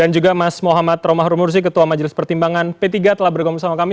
dan juga mas mohamad romah rumursi ketua majelis pertimbangan p tiga telah berkomunikasi sama kami